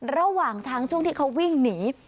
ระหว่างทางช่วงที่เขาวิ่งหนี